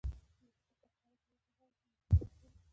که خواړه پر وخت وخوړل شي، نو روغتیا به ښه وي.